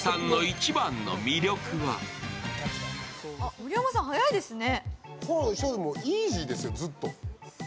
盛山さん、早いですね。